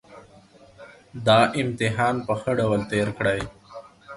دا امتحان په ښه ډول تېر کړئ